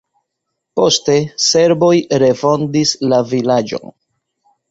Poste serboj refondis la vilaĝon.